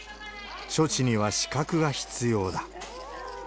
処置には資格が必要だ。